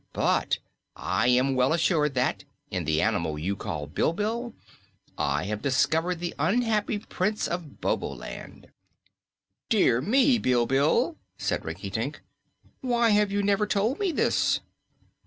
But I am well assured that, in the animal you call Bilbil, I have discovered the unhappy Prince of Boboland." "Dear me, Bilbil," said Rinkitink, "why have you never told me this?"